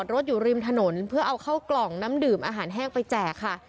รถอยู่ริมถนนเพื่อเอาเข้ากล่องน้ำดื่มอาหารแห้งไปแจกค่ะ